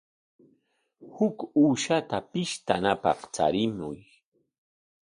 Huk uushata pishtanapaq charimuy.